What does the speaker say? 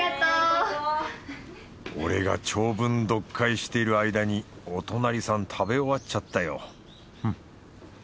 俺が長文読解している間にお隣さん食べ終わっちゃったよフッ